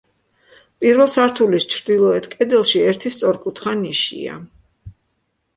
პირველ სართულის ჩრდილოეთ კედელში ერთი სწორკუთხა ნიშია.